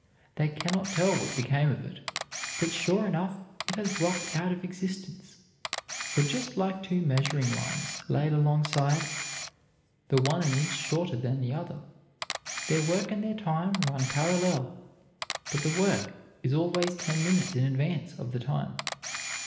They cannot tell what became of it, but sure enough, it has dropped out of existence; for just like two measuring lines laid alongside, the one an inch shorter than the other, their work and their time run parallel, but the work is always ten minutes in advance of the time.